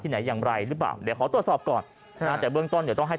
ที่ไหนอย่างไรหรือบ้างได้ขอตรวจสอบก่อนแต่เรื่องต้องให้